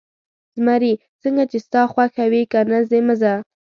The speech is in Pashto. زمري: څنګه چې ستا خوښه وي، که نه ځې، مه ځه.